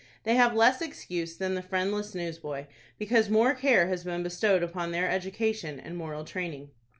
They have less excuse than the friendless newsboy, because more care has been bestowed upon their education and moral training.